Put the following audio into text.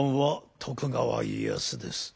徳川家康です。